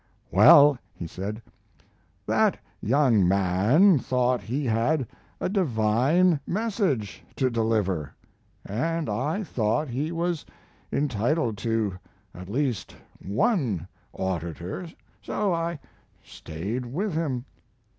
"Well," he said, "that young man thought he had a divine message to deliver, and I thought he was entitled to at least one auditor, so I stayed with him."